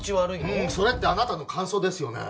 うんそれってあなたの感想ですよね？